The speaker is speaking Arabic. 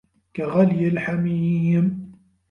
كَغَليِ الحَميمِ